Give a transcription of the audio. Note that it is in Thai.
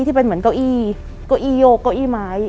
ที่เป็นเหมือนเก้าอี้โยกเก้าอี้ไม้